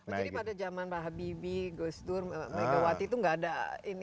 jadi pada jaman pak habibie gosdur megawati itu gak ada ini